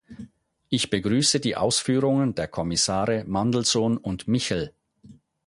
Ich begrüße die Ausführungen der Kommissare Mandelson und Michel.